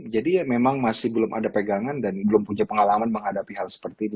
jadi ya memang masih belum ada pegangan dan belum punya pengalaman menghadapi hal seperti itu